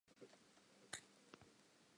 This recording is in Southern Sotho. Fumana malapa a dipalo tse latelang.